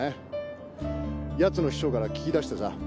ヤツの秘書から聞き出してさ。